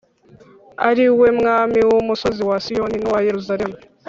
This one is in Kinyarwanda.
ari we mwami w’umusozi wa Siyoni n’uwa Yeruzalemu